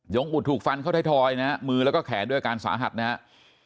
งอุดถูกฟันเข้าไทยทอยนะฮะมือแล้วก็แขนด้วยอาการสาหัสนะครับ